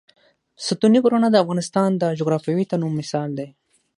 ستوني غرونه د افغانستان د جغرافیوي تنوع مثال دی.